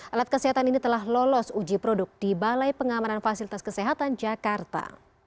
alat kesehatan ini telah lolos uji produk di balai pengamanan fasilitas kesehatan jakarta